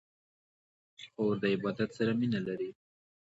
خور د عبادت سره مینه لري.